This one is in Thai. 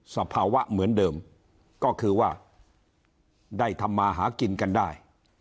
สภาวะเหมือนเดิมก็คือว่าได้ทำมาหากินกันได้